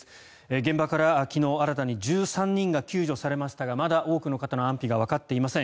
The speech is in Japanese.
現場から昨日、新たに１３人が救助されましたがまだ多くの方の安否がわかっていません。